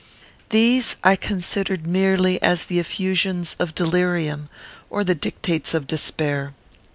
These I considered merely as the effusions of delirium, or the dictates of despair.